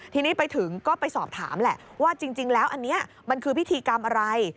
ทีนี้ไปถึงก็ไปสอบถามแหละว่าจริงแล้วอันนี้มันคือพิธีกรรมอะไร